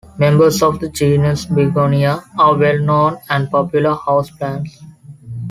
Members of the genus "Begonia" are well-known and popular houseplants.